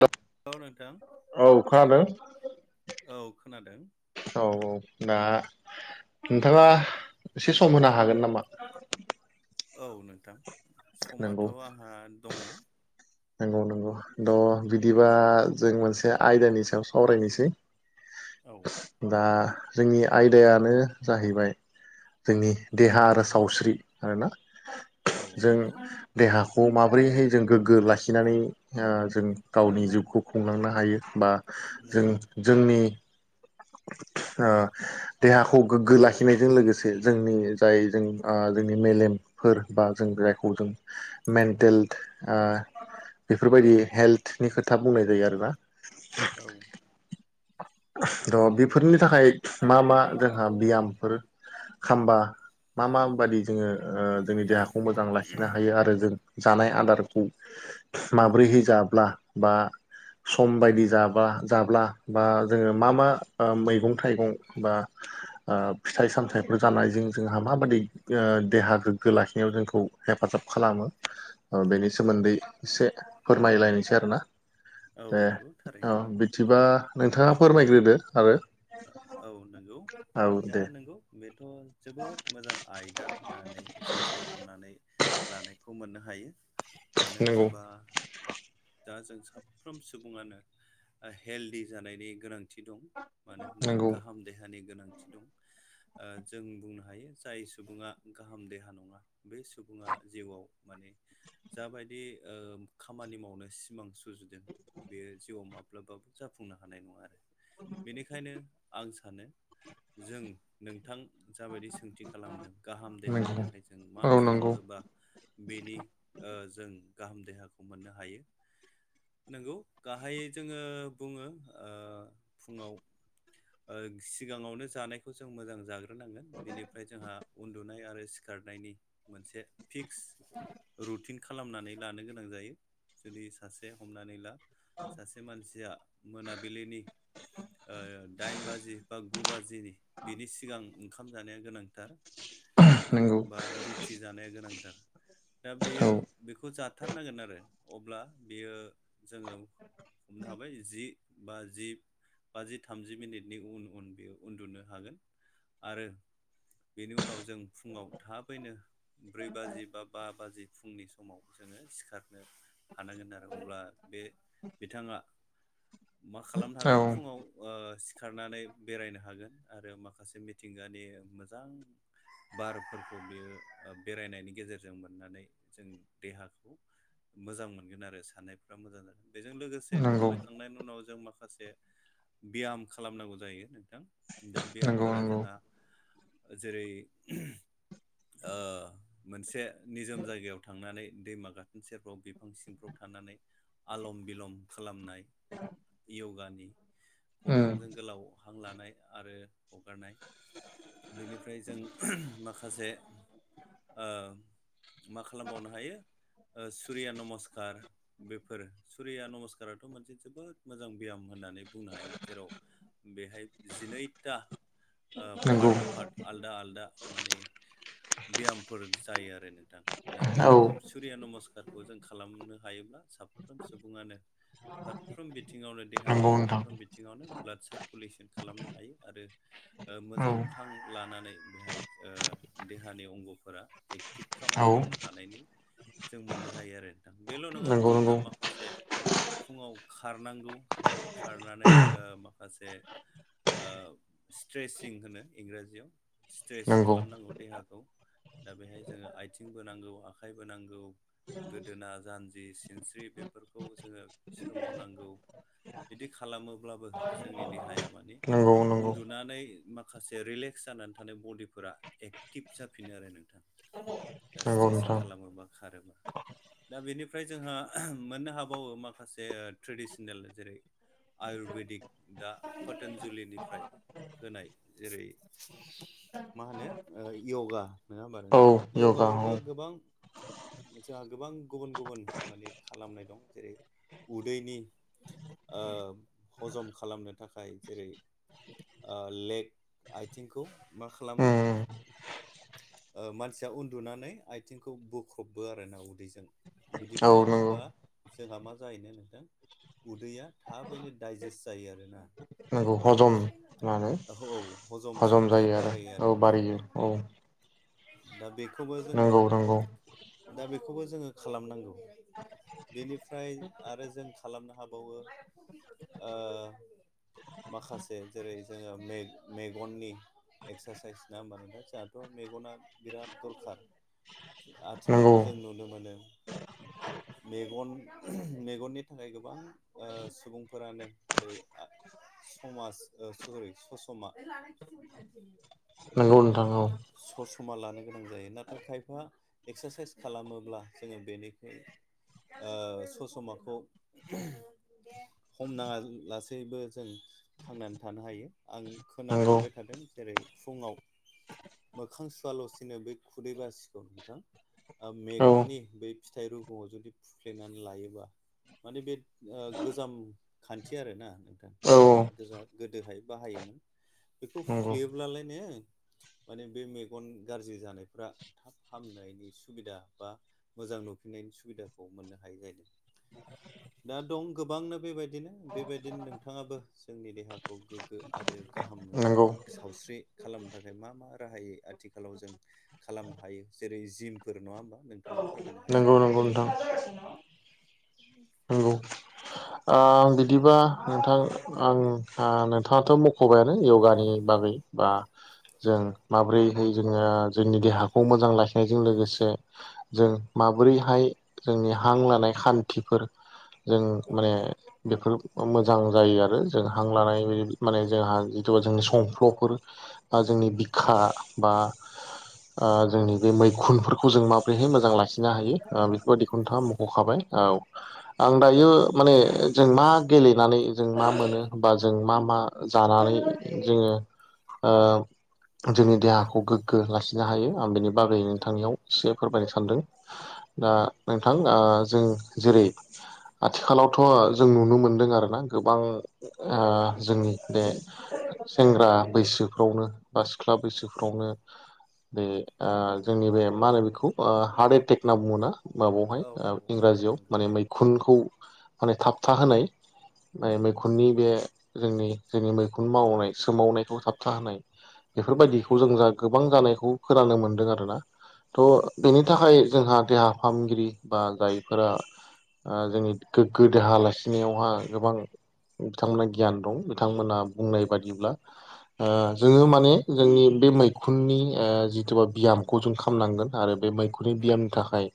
द औ नोंथां औ खोनादों औ खोनादों औ औ दा नोंथाङा एसे सम होनो हागोन नामा औ नोंथां समाथ' नंगौ आंहा दङ नंगौ नंगौथ' बिदिबा जों मोनसे आयदानि सायाव सावरायनोसै औ दा जोंनि आयदायानो जाहैबाय जोंनि देहा आरो सावस्रि आरोना औ जों नंगौ देहाखौ माबोरैहाय जों गोग्गो लासि खिनानै जों गावनि जिउखौ खुंलांनो हायो बा जों नंगौ जोंनि अ देहाखौ गोग्गो लाखिनायजों लोगोसे जोंनि जाय जों जोंनि मेलेम फोर बा जों जायखौ जों मेन्टेल बेफोरबायदि हेल्थनि खोथा बुंनाय जायो आरोोना औ र' नंगौ बेफोरनि थाखाय मा मा जोंहा बियामफोर खामबा मा माबायदि जोङो जोंनि देहाखौ खौ मोजां लाखिनो हायो आरो जों जानाय औ आदारखौ माब्रैहै जाब्ला बा सम बायदि जाबा जाब्ला बा। जोङो मा-मा ओ मैगं-थाइगं बा। ओ फिथाइ-सामथाइफोर जानायजों जोंहा माबादि देहा गोग्गो लाखिनायाव जोंखौ। हेफाजाब खालामो बेनि सोमोन्दै एसे फोरमायलायनोसै आरोना। औ ए नंगौ औ थारैनो बिदिबा नोंथाङा फोरमायग्रोदो आरो। औ नंगौ औ दा दे नंगौ बेथ' जोबोद मोजां आयदा होननानै जों सायख'नानै लानायखौ मोननो हायो मानो नंगौ होनोबा दा जों साफ्रोम सुबुङानो हेल्दिि जानायनि गोनांथि दं मानो होनबा नंगौ गाहाम देहानि गोनांथि दं ओ जों बुंनो हायो जाय सुबुङा गाहाम देहा नङा। बे सुबुङा जिउआव माने जाबायदि ओ खामानि मावनो सिमां सु। सुजुदों बेयो जिउआव माब्लाबाबो जाफुंनो हानाय नङा आरो। बेनिखायनो आं सानो जों नोंथां जाबायदि सोंथि। खालामदों गाहाम देहानि नंगौ थाखाय जों मा औ नंगौ खालामोबा। बेनि ओ जों गाहाम देहाखौ मोननो हायो। नंगौ गाहायै जोङो बुङो ओ। फुङाव ओ सिगाङावनो जानायखौ जों मोजां जाग्रो। नांगोन बेनिफ्राय जोंहा उन्दुनाय आरो सिखारनायनि मोनसे। फिक्स रुटिन खालामनानै लानो गोनां जायो जुदि सासे हमनानै ला। सासे मानसिया मोनाबिलिनि। ओ दाइन बाजि बा गु बाजिनि बिनि सिगां ओंखाम जानाया गोनांथि। दा नंगौ बा रुथि जानाया गोनांथार। दा बेयो औ बेखौ जाथारनांगोन आरो अब्ला बेयो जोङो। हमनो हाबाय जि बा जि। बाजि, थामजि मिनिटनि उन-उन बेयो उन्दुनो हागोन आरो। बेनि उनाव जों फुङाव थाबैनो ब्रै बाजि बा-बा बाजि। फुंनि समाव जोङो सिखारनो। हानांगोन आरो अब्ला बे बिथाङा मा खालामनो हागोन। औ फुङाव सिखारनानै बेरायनो हागोन आरो माखासे मिथिंगानि मोजां। बारफोरखौ बियो बेरायनायनि गेजेरजों मोननानै जों देहाखौ। मोजां मोनगोन आरो साननायफ्रा मोजां जागोन बेजों लोगोसे नंगौ थाबायखांनायनि उनाव जों माखासे। ब्याम खालामनांगौ जायो नोंथां दा नंगौ ब्यामफोरा नंगौ जोंहा। जेरै ओ। मोनसे निजोम जायगायाव थांनानै दैमा गाथोन सेरफ्राव, बिफां सिंफ्राव थानानै। आलम-बिलम खालामनाय यगानि। उम गन्थंजों गोलाव हां लानाय आरो हगारनाय। बेनिफ्राय जों माखासे ओ। मा खालामबावनो हायो ओ सुरिया नमस्कार। बेफोर सुरिया नमस्काराथ' मोनसे जोबोद मोजां ब्याम होननानै। बुंनो हायो जेराव बेहाय जिनैथा ओ नंगौ पार्ट-पार्ट। आलदा-आलदा माने ब्यामफोर जायो आरो नोंथां। दा बे औ सुरिया नमस्कारखौ जों खालामनो हायोब्ला साफ्रोम सुबुङानो। फारफ्रोम बिथिङावनो देहानि। नंगौ नोंथां फारफ्रोम बिथिङावनो ब्लाड सारकुलेसन खालामनो हायो आरो। औ मोजां हां लानानै बेहाय ओ देहानि अंगफोरा। एक्टिभ औ खामानि मावनो हानायनि। जों मोननो हायो आरो नोंथां बेल' नङा नंगौ नंगौ जोंहा माखासे। फुङाव खारनांगौ। खारनानै माखासे स्ट्रेसिं होनो इंराजियाव स्ट्रेस नंगौ खालामनांगौ देहाखौ। दा बेहाय जोङो आथिंबो नांगौ आखाइबो नांगौ। गोदोना जानजि सिनस्रि बेफोरखौ जोङो सोमावनांगौ। बिदि खालामोब्लाबो जोंनि देहाया माने नंगौ नंगौ उन्दुनानै माखासे रिलेक्स जानानै थानाय बडिफोरा एक्टिभ जाफिनो आरो नोंथां दा नंगौ स्ट्रेसिं नोंथां खालामोबा खारोबा। दा बेनिफ्राय जोंहा मोननो हाबावो माखासे ट्रेडिसनेल जेरै- आयुरबेदिक दा पटनजलिनिफ्राय। होनाय जेरै मा होनो यगा नङा औ होमबा? य'गा औ यगायावबो गोबां। जाहा गोबां गुबुन-गुबुन माने खालामनाय दं जेरै उदैनि। हजम खालामनो थाखाय जेरै लेक आथिंखौ मा उम खालामो? मानसिया उन्दुनानै आथिंखौ बोख्रबबो आर ना उदैजों। बिदि औ नंगौ खालामोबा जोंहा मा जाहैनो नोंथां उदैया थाबैनो दडाइजेस्ट जायो आरोना नंगौ हजम मा होनो औ हजम सक्तिया बारायो आरो नोंङ औ दा बेखौबो जोङो नंगौ नंगौ दा बेखौबो जोङो खालामनांगौ। बेनिफ्राय आरो जों खालामनो हाबावो। माखासे जेरै जोङो मेगननि एक्सारसाइस ना होमबानो दा जोंहाथ' मेगना बिराद दरखार। नंगौ आथिखालाव जों नुनो मोनो। मेगन मेगननि थाखाय गोबां सुबुंफोरानो जेरै समाज सरि ससमा नंगौ नोंथां औ ससा लानो गोनां जायो नाथाय खायफा एक्सारसाइस खालामोब्ला जोङो बेनिखुइ ससमाखौ हमना लासेैबो जों थांनानै थानो हायो आं खोनानो नंगौ मोनबाय थादों जेरै फुङाव मोखां सुवाल'सिनो बे खुदै बासिखौ नोंथां औ मेगननि बै फिथाइ रुगुआव जुदि फुफ्लेनानै लायोबा माने बे गोजाम खान्थि आरोना नोंथां औ गोदो गोा गोदोहाय बाहायोमोन। बेखौ नंगौ फुफ्लेयोब्लालाय ने माने बे मेगन गाज्रि जानायफ्रा थाब हामनायनि सुबिदा बा मोजां नुफिननायनि सुबिदाखौ मोननो हायै जादों। दा दं गोबांनो बेबायदि बिदिनो बेबायदिनो नोंथाङाबो जोंनि देहाखौ गोग्गो आरो गाहामो नंगौ सावस्रि खालामनो थाखाय मा मा राहायै आथिखालाव जों खालामनो हायो जेरै जिमफोर नङा होमबा नोंथाङा फोरमायनो नंगौ हासिगोन। नंगौ नोंथां [unintelligible] आं बिदिबा नोंथां आं नोंथाङाथ' मख'बायानो य'गानि बागै बा जों औ माब्रैहाय जोङो जोंनि देहाखौ मोजां लाखिनायजों लोगोसे जों माबोरैहाय जोंनि हां लानाय खान्थिफोर जों औ माने बेफोर मोजां जायो आरो जों हां लानाय माने जोंहा जिथुबा जोंनि संफ्ल'फोर बा जोंनि बिखा बा जोंनि बे मैखुनफोरखौ जों माबोरैहाय मोजां लाखिनो हायो। बेबायदि खुथा नंगौ मख'खाबाय औ आं दायो माने जों मा गेलेनानै जों मा मोनो हबा जों मा मा जानानै जोङो ओ जोंनि देहाखौ गोग्गो लाखिनो हायो आं बेनि बागै नंगौ नोंथांनियाव एसे फोरमायनो सानदों दा नोंथां जों जेरै आथिखालावथ' जों नुनो मोनदों आरोना गोबां जोंनि बे सेंग्रा बैसोफ्रावनो बा सिख्ला बैसोफ्रावनो बे जोंनि बे मा होनो बेखौ हार्ट एटेक होनना बुङोना? माबायावहाय औ औ औ इंराजियाव नंगौ माने म मै खुनखौ माने थाबथा होनाय मैखुननि बे जोंनि जोंनि मैखुन मावनाय सोमावनायखौ थाबथा होनाय नंगौ बेफोरबायदिखौ जों जा गोबां जानायखौ फोराननो मोन्दों आरो ना थ' बेनि थाखाय जोंहा देहा फाहामगिरि बा जायफोरा जोंनि गोगो देहा ला खिनायावहा गोबां बिथांमोनहा गियान दं बिथांमोना बुंनाय बादिब्ला जोङो माने जोंनि बे मैखुननि जिथ बा बियाम गजुन खालामनांगोन आरो बे मैखुननि बियामनि थाखाय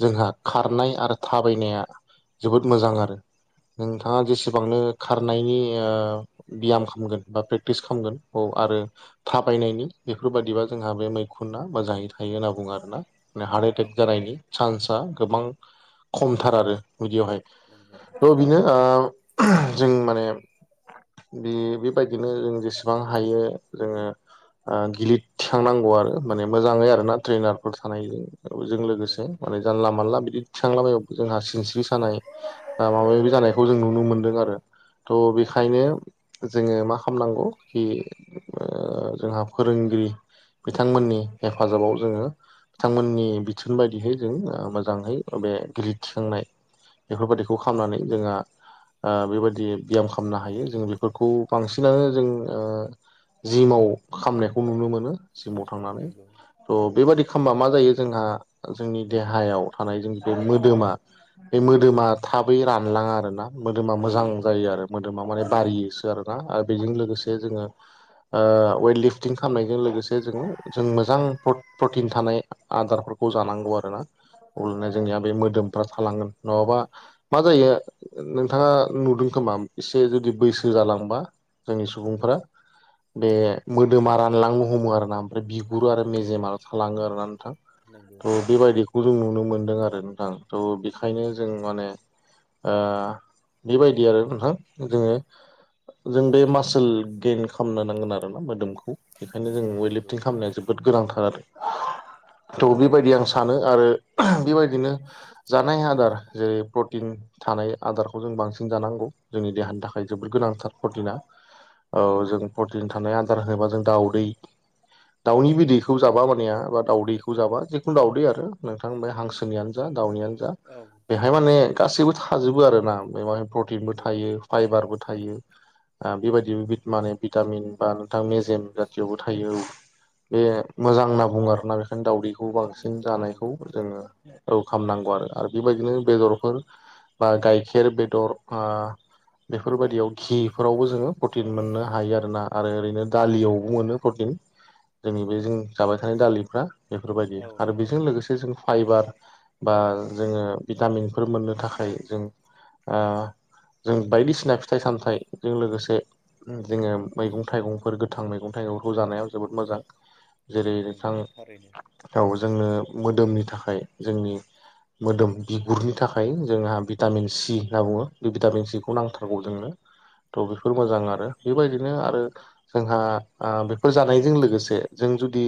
जोंहा खारनाय आरो थाबायनाया जोबोद मोजां आरो नोंथाङा नंगौ नंगौ जेसेबां बांनो खारनायनि बियाम खालामगोन बा प्रेक्टिस खालामगोन बेव आरो थाबायनायनि बेफोरबादिबा जोंहा बे मैखुना मोजाङै थायो होनना बुङो आरोना ने हार्ट औ एटेक औ जानायनि सान्सआ गोबां खमथार आरो बिदियावहाय नंगौ थ' बेनो थारैनो जों माने बे बेबायदिनो जों जेसेबां हायो जोङो गिलितथिखांनांगौ आरो माने मोजाङै आरो ना ट्रेनारफोर थानायजों बेजों लोगोसे नंगौ माने जानला मानला बिदि थिखांलाबायबाबो जोंहा सिनस्रि सानाय माबा माबि जानायखौ जों नुनो मोनदों आरो थ' नंगौ बेखायनो जोङो मा खालामनांगौ खि जोंहा फोरोंगिरि बिथांमोननि हेफाजाबाव जोङो बिथांमोननि बिथोन बायदिहै जों मोजाङै बे गिलिर थिखांनाय बेफोरबायदिखौ खौ खालामनानै जोंहा बेबायदि ब्याम खालामनो हायो जों बेफोरखौ बांसिनानो जों जिमाव खामनायखौ नुनो मोनो जिमाव थांनानै नंगौ थ' बेबादि खालामबा मा जायो जोंहा जोंनि देहायाव थानाय जोंनि बे मोदोमा बे मोदोमा थाबै रानलाङा आरोना मोदोमा मोजां जायो औ आरो मो मोदोमा माने बारियोसो आरोना आरो बेजों लोगोसे जोङो वेट लिफटिं खालामनायजों लोगोसे जोङो जों मोजां प्रट प्रटिन थानाय आदारफोरखौ जानांगौ आरोना अब्लानो जोंनिया बे मोदोमफ्रा थालांगोन नङाबा मा जायो नोंथाङा नुदों खोमा एसे जुदि बैसो जालांबा जोंनि सुबुंफोरा बे औ मोदोमा रानलांनो हमो आरो ना बिगुर आरो नंगौ मेजेमाल थालाङो आरोना नोंथां नंगौ थ' थारैनो बेबायदिखौ गुदुं नुनो मोनदों आरो नोंथां थ' बेखायनो जों माने बेबायदि आरो नोंथां जोङो जों बे मासोल गेइन खालामनो नांगोन आरो ना मोदोमखौ बेखायनो जों वेट नंगौ लिफटिं खालामनाया जोबोद जोबोद गोनांथार आरो थ' बेबायदि आं सानो आरो बेबाय बिदिनो जानाय आदार जेरै टिन थानाय आदारखौ जों बांसिन जानांगौ जोंनि देहानि थाखाय जोबोर गोनांथार प्रटिना औ जों प्रटिन थानाय आदार होनोबा जों दाउदै दाउनि बिदैखौ जाबा मानेया बा दाउदैखौ जाबा जिखुनु दाउदै आरो नोंथां बाय हांसोनियाटनो जा दावनियानो जा औ बेहाय माने गासैबो थाजोबो आरो ना बेहाय प्रटिनबो नंगौ थायो। फाइबारबो थायो बे बायदि माने भिटामिन बा नोंथां मेजेम भिटामिन्स जाथियावबो थायो बे मोजां होनना बुङो आरोना दावदैखौ बांसिन जानायखौ नंगौ थारैनो जोङो खालामनांगौ आरो आरो बे बायदिनो बेदरफोर बा गाइखेर, बेदर, ओ ना बेफोरबायदियाव घिफोरावबो जोङो प्रटिन मोननो हायो आरोना आरो ओरैनो नंगौ दालियावबो मोनो प्रटिन। जोंनि बे जों जाबाय थानाय दालिफ्रा बेफोरबायदि औ आरो नंगौ बेजों लोगोसे जों फाइबार बा जोङो भिटामिनफोर मोननो थाखाय जों जों बायदिसिना फिथाइ सामथाइजों लोगोसे जोङो मैगं थाइगंफोर गोथां मैगं थाइगंफोरखौ जानायाव जोबोद मोजां जेरै नोंथां नंगौ थारैनो औ जोंनो मोदोमनि थाखाय जोंनि मोदोम बिगुरनि थाखाय फायो जोंहा भिटामिन सि होनना बुङो बे भिटामिन सिखौ औ नांथारगौ जोंनो थ' बेफोर मोजां आरो बेबायदिनो आरो जोंहा बेफोर जानायजों लोगोसे जों जुदि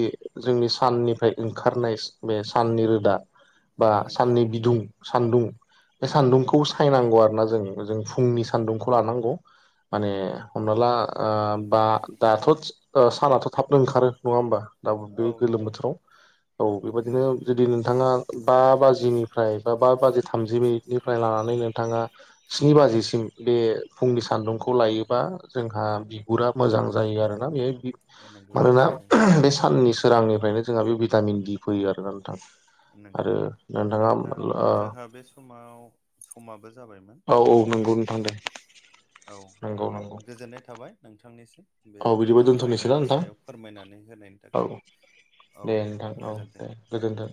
जोंनि साननिफ्राय ओंखारनाय बे साननि रोदा बा नंगौ साननि बिदुं सान्दुं बे औ सान्दुंखौ सायनांगौ आरो ना जों जों फुंनि सान्दुंखौ लानांगौ। माने हमना ला बा दाथ' सानाथ' थाबनो ओंखारो नङा होमबा दा बे औ गोलोम नंगौ बोथोराव। औ बे बायदिनो जुदि नोंथाङा बा बाजिनिफ्राय बा बाजि थामजिब्रैनिफ्राय लानानै नोंथाङा स्नि बाजिसिम बे फुंनि सान्दुंखौ लायोबा जोंहा बिगुरा मोजां जायो आरोना बे। नंगौ मानोना थारैनो बे साननि सोरांनिफ्रायनो जोंहा बे भिटामिन डि‌ फैयो आरोना नोंथां। नंगौ आरो नोंथाङा नोंथां ओ जोंहा बे समाव समाबो जाबायमोन। औ औ नंगौ नोंथां दे। औ नंगौ नंगौ गोजोननाय थाबाय नोंथांनिसिम। बे औ बिदिबा मोजां दोनथ'नोसैना आयदानि नोंथां सायाव फोरमायनानै होनायनि औ थाखाय। औ दे नोंथां औ गोजोन्थों। दे गोजोन्थों।